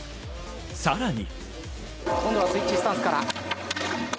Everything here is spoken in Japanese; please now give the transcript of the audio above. さらに。